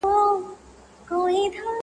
اوس به دې خپل وي آینده به ستا وي،